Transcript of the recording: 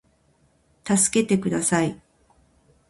たすけてください